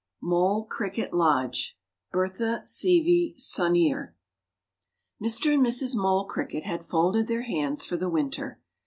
MOLE CRICKET LODGE. BERTHA SEAVEY SAUNIER. Mr. and Mrs. Mole Cricket had folded their hands for the winter.